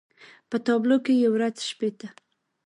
په تابلو کې يې ورځ شپې ته